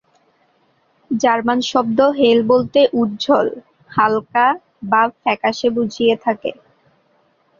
German শব্দ "হেল" বলতে "উজ্জ্বল", "হালকা" বা "ফ্যাকাশে" বুঝিয়ে থাকে।